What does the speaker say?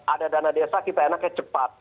ada dana desa kita enaknya cepat